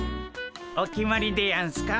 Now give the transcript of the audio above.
お決まりでやんすか？